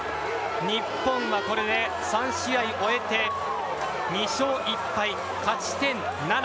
日本はこれで３試合を終えて２勝１敗、勝ち点７。